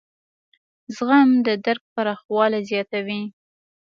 زغم د درک پراخوالی زیاتوي.